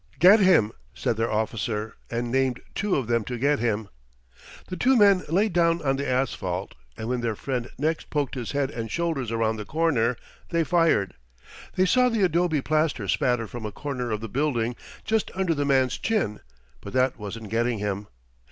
"Get him!" said their officer, and named two of them to get him. The two men lay down on the asphalt; and when their friend next poked his head and shoulders around the corner, they fired. They saw the adobe plaster spatter from a corner of the building just under the man's chin; but that wasn't getting him.